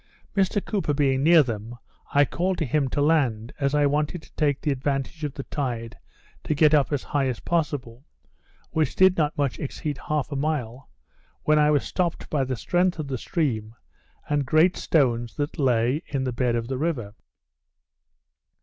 Mr Cooper being near them, I called to him to land, as I wanted to take the advantage of the tide to get as high up as possible, which did not much exceed half a mile, when I was stopped by the strength of the stream and great stones which lay in the bed of the river.